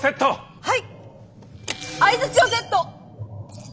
はい。